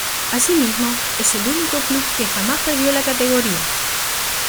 Asimismo, es el único club que jamás perdió la categoría.